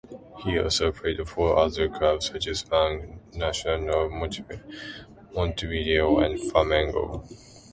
He also played for other clubs, such as Bangu, Nacional of Montevideo and Flamengo.